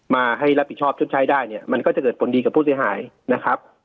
มาให้รับผิดชอบชดใช้ได้เนี่ยมันก็จะเกิดผลดีกับผู้เสียหายนะครับ